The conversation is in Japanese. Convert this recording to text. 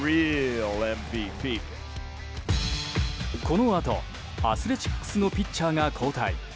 このあと、アスレチックスのピッチャーが交代。